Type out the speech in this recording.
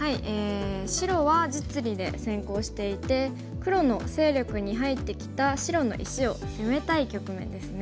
白は実利で先行していて黒の勢力に入ってきた白の石を攻めたい局面ですね。